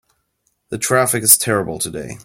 The traffic is terrible today.